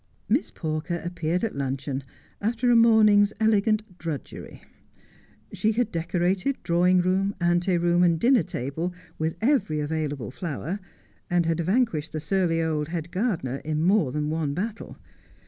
Miss Pawker appeared at luncheon after a morning's elegant drudgery. She had decorated drawing room, ante room, and dinner table with every available flower, and had vanquished the surly old head gardener in more than one battle.